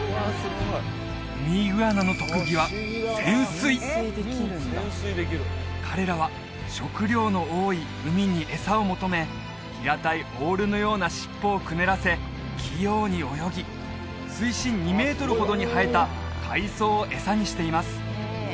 ウミイグアナの特技は潜水彼らは食糧の多い海に餌を求め平たいオールのような尻尾をくねらせ器用に泳ぎ水深２メートルほどに生えた海藻を餌にしています